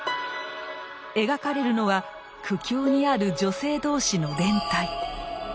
描かれるのは苦境にある女性同士の連帯。